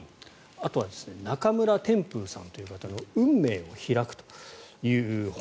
あとは中村天風さんという方の「運命を拓く」という本。